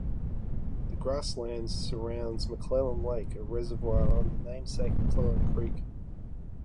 The grasslands surrounds McClellan Lake, a reservoir on the namesake McClellan Creek.